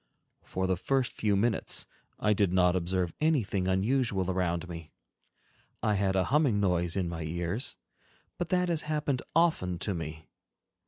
For the first few minutes, I did not observe anything unusual around me; I had a humming noise in my ears, but that has happened often to me.